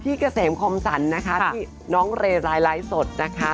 พี่เกษมคมสรรนะคะน้องเรลายไลท์สดนะคะ